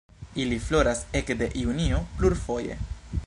Ili floras ekde junio plurfoje.